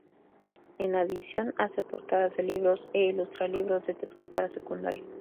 En adición hace portadas de libros e ilustra libros de texto para secundaria.